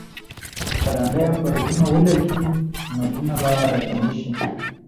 که لنډۍ پر زړونو ولګي، نو زړونه به راژوندي سي.